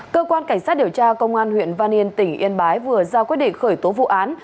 cơ quan cảnh sát điều tra công an huyện văn yên tỉnh yên bái vừa ra quyết định khởi tố vụ án